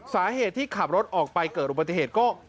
สาเหตุที่ขับรถออกไปเกิดอุบัติเหตุก็